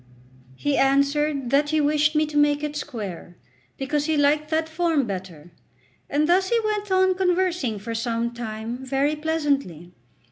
He answered that he wished me to make it square, because he liked that form better; and thus he went on conversing for some time very pleasantly.